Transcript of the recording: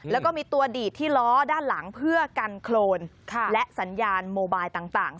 แล้วก็มีตัวดีดที่ล้อด้านหลังเพื่อกันโครนและสัญญาณโมบายต่าง